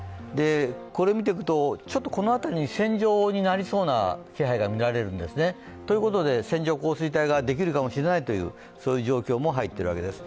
これ見てくと、ちょっとこの辺りに線状になりそうな気配が見られるんですね。ということで、線状降水帯ができるかもしれないという状況も入っているわけです。